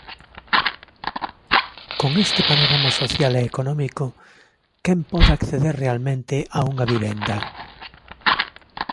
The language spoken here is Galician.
Con este panorama social e económico, ¿quen pode acceder realmente a unha vivenda?